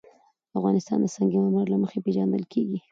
افغانستان د سنگ مرمر له مخې پېژندل کېږي.